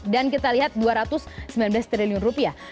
dan kita lihat dua ratus sembilan belas triliun rupiah